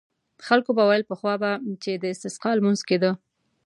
خلکو به ویل پخوا به چې د استسقا لمونځ کېده.